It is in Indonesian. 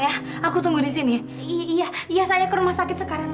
ya selamat siang